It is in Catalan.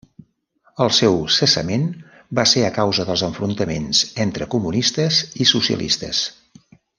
El seu cessament va ser a causa dels enfrontaments entre comunistes i socialistes.